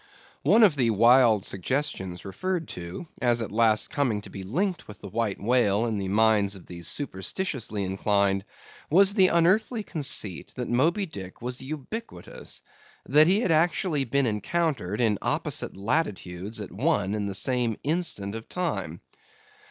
One of the wild suggestions referred to, as at last coming to be linked with the White Whale in the minds of the superstitiously inclined, was the unearthly conceit that Moby Dick was ubiquitous; that he had actually been encountered in opposite latitudes at one and the same instant of time.